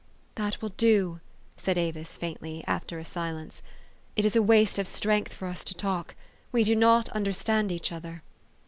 "That will do," said Avis faintly, after a silence. "It is a waste of strength for us to talk. We do not understand each other."